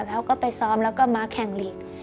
เขาก็ไปซ้อมแล้วก็มาแข่งลีก